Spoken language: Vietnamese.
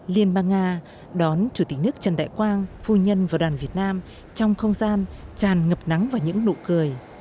liên bang nga đón chủ tịch nước trần đại quang phu nhân và đoàn việt nam trong không gian tràn ngập nắng vào những nụ cười